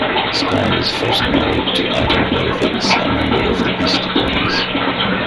Skye was first married to Adam Horovitz, a member of the Beastie Boys.